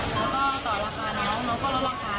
แล้วก็ต่อรองคาแล้วแล้วก็รองคาอะไรไหน